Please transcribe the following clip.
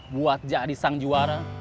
buat jadi sang juara